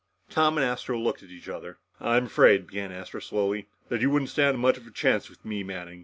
Tom and Astro looked at each other. "I'm afraid," began Astro slowly, "that you wouldn't stand much of a chance with me, Manning.